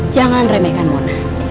jangan remehkan mona